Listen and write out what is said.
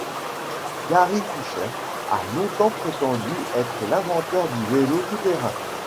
Gary Fisher a longtemps prétendu être l'inventeur du vélo tout terrain.